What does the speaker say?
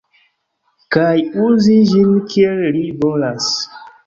Kaj uzi ĝin kiel li volas.